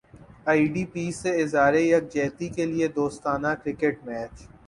ائی D Ps سے اظہار یک جہتی کیلئے دوستانہ کرکٹ میچ